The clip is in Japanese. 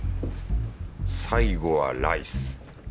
最後はライス。